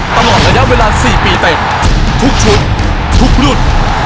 ตลอดระยะเวลา๔ปีเต็มทุกชุดทุกรุ่น